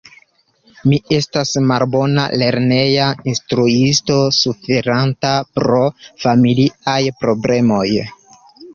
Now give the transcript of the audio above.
Mi estas malbona lerneja instruisto, suferanta pro familiaj problemoj.